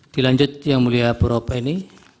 dilanjut yang mulia bu ropeni